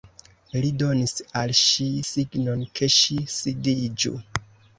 Li donis al ŝi signon, ke ŝi sidiĝu.